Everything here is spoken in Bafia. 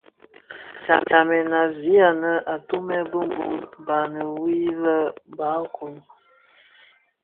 Tsamèn a zaňi anë atumè bi mum baňi wii lè barkun.